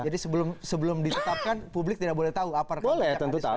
jadi sebelum ditetapkan publik tidak boleh tahu apa rekam jejak anies sandi